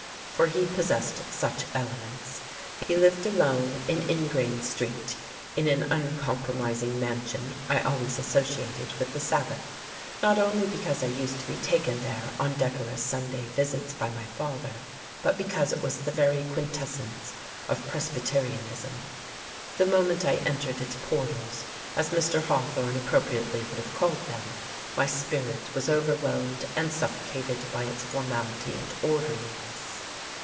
For he possessed such elements. He lived alone in Ingrain Street in an uncompromising mansion I always associated with the Sabbath, not only because I used to be taken there on decorous Sunday visits by my father, but because it was the very quintessence of Presbyterianism. The moment I entered its "portals" as Mr. Hawthorne appropriately would have called them my spirit was overwhelmed and suffocated by its formality and orderliness.